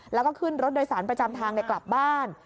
แล้วก็ขึ้นรถโดยสารประจำทางกลับบ้าน